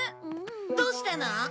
どうしたの？